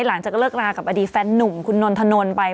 หลังจากเลิกรากับอดีตแฟนหนุ่มคุณนนทนนท์ไป